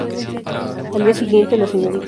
Al día siguiente, la Srta.